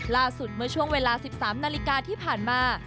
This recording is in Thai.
เมื่อช่วงเวลา๑๓นาฬิกาที่ผ่านมา